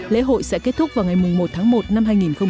lễ hội sẽ kết thúc vào ngày một tháng một năm hai nghìn một mươi chín